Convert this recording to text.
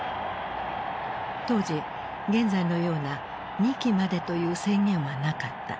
当時現在のような２期までという制限はなかった。